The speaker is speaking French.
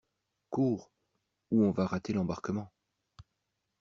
Cours ou on va rater l'embarquement!